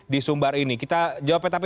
di sumbar ini kita jawabkan